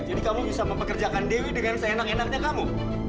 jadi kamu bisa mempekerjakan dewi dengan seenak enaknya kamu